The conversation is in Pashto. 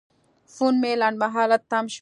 فون مې لنډمهاله تم شو.